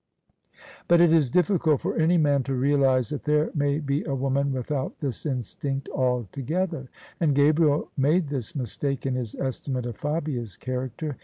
But it is difficult for any man to realise that there may be a woman without this instinct altogether: and Gabriel made this mistake in his estimate of Fabia's character.